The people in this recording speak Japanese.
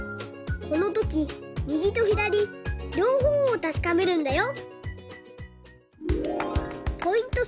このときみぎとひだりりょうほうをたしかめるんだよ！